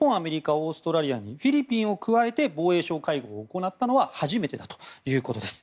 オーストラリアにフィリピンを加えて防衛相会合を行ったのは初めてだということです。